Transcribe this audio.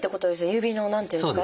指の何ていうんですか。